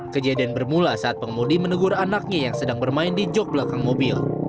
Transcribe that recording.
kejadian bermula saat pengemudi menegur anaknya yang sedang bermain di jok belakang mobil